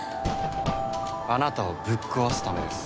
あなたをぶっ壊すためです。